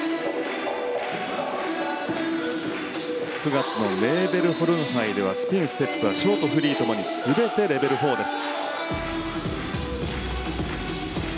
９月のメーベルホルン杯ではスピン、ステップはショート、フリーともに全てレベル４です。